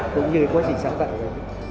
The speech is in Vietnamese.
cũng như cái quá trình sáng tạo của anh